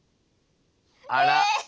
あら。